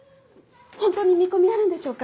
本当に見込みあるんでしょうか。